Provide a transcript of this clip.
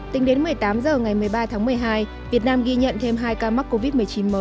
tính đến một mươi tám h ngày một mươi ba tháng một mươi hai việt nam ghi nhận thêm hai ca mắc covid một mươi chín mới